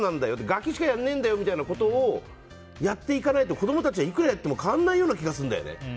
ガキしかやらないんだよみたいなことをやっていかないと子供たちがいくらやっても変わんないような気がするんだよね。